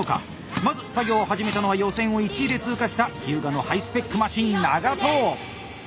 まず作業を始めたのは予選を１位で通過した日向のハイスペックマシン長渡！